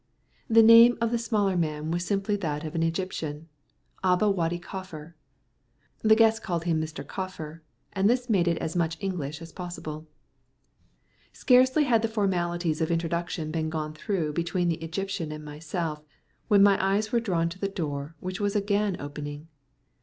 The name of the smaller man was simply that of an Egyptian, "Aba Wady Kaffar." The guests called him Mr. Kaffar, and thus made it as much English as possible. Scarcely had the formalities of introduction been gone through between the Egyptian and myself, when my eyes were drawn to the door, which was again opening.